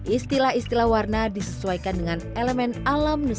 istilah istilah warna disesuaikan dengan elemen alam nusantara